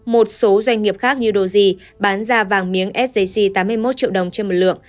một số doanh nghiệp khác như doji bán ra vàng miếng sjc tám mươi một triệu đồng trên một lượng